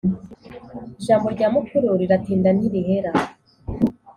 Ijambo rya mukuru riratinda ntirihera.